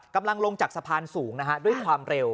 กำลังลงจากสะพานสูงนะฮะด้วยความเร็ว